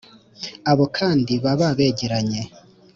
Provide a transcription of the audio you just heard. Abo kandi baba begeranye;